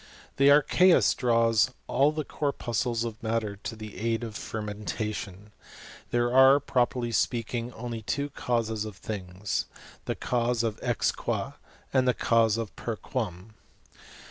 The archeus draws all the corpuscles of matter tO' the aid o1 fermentation. Tliere are, properly speak ing, only two causes of things ; the cause ex qua^ and' the cause per qiiam.